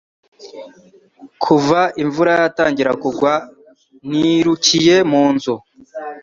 Kuva imvura yatangira kugwa, nirukiye mu nzu.